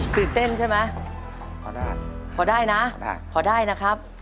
คือเต้นใช่ไหมพอได้พอได้นะพอได้นะครับ